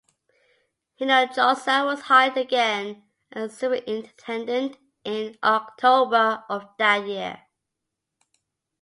Hinojosa was hired again as superintendent in October of that year.